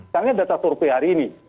karena data torpe hari ini